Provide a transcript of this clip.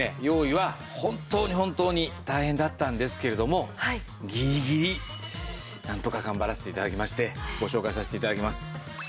用意は本当に本当に大変だったんですけれどもギリギリなんとか頑張らせて頂きましてご紹介させて頂きます。